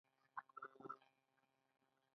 قلم فکرونه بیانوي.